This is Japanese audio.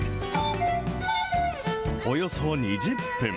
およそ２０分。